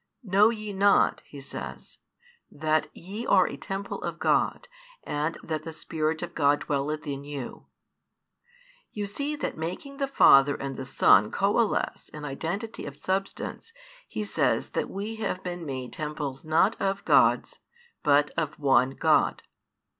Know ye not, he says, that ye are a temple of God, and that the Spirit of God dwelleth in you? You see that making the Father and Son coalesce in identity of Substance he says that we have been made temples not of Gods but of one God.